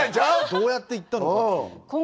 どうやって行ったのかっていう。